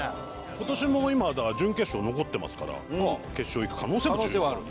今年も今だから準決勝残ってますから決勝いく可能性も十分にある。